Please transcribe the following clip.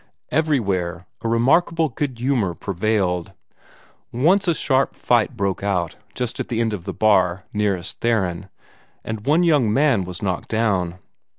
Everywhere a remarkable good humor prevailed. Once a sharp fight broke out, just at the end of the bar nearest Theron, and one young man was knocked down.